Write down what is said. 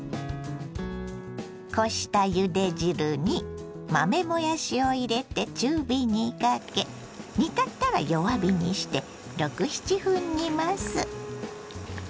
こしたゆで汁に豆もやしを入れて中火にかけ煮立ったら弱火にして６７分煮ます。